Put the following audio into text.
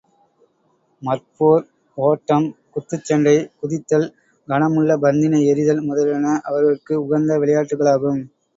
மற்போர், ஓட்டம், குத்துச் சண்டை, குதித்தல், கனமுள்ள பந்தினை எறிதல் முதலியன அவர்கட்கு உகந்தவிளையாட்டுக்களாகும்.